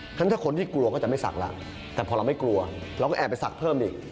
ฉะนั้นถ้าคนที่กลัวก็จะไม่ศักดิ์แล้วแต่พอเราไม่กลัวเราก็แอบไปศักดิ์เพิ่มอีก